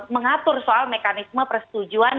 mengatur soal mekanisme persetujuan